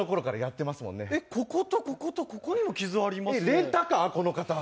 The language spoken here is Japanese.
ここと、ここと、ここにも傷あります？